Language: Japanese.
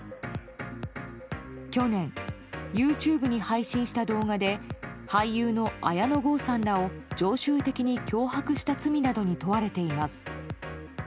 去年、ＹｏｕＴｕｂｅに配信した動画で俳優の綾野剛さんらを常習的に脅迫した罪などに問われています。